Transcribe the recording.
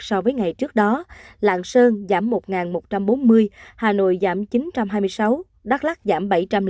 so với ngày trước đó lạng sơn giảm một một trăm bốn mươi hà nội giảm chín trăm hai mươi sáu đắk lắc giảm bảy trăm linh